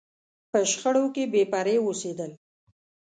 په شخړو کې بې پرې اوسېدل.